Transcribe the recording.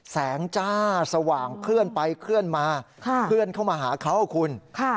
จ้าสว่างเคลื่อนไปเคลื่อนมาเคลื่อนเข้ามาหาเขาคุณค่ะ